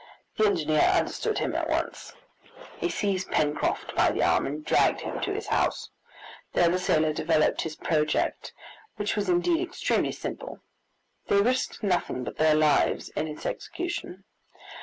The engineer understood him at once. He seized Pencroft by the arm, and dragged him to his house. There the sailor developed his project, which was indeed extremely simple. They risked nothing but their lives in its execution.